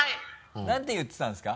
何て言ってたんですか？